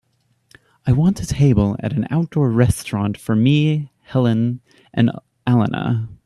i want a table at an outdoor restaurant for me, helene and alana